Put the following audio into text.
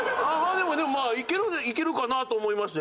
でもまあいけるかなと思いまして。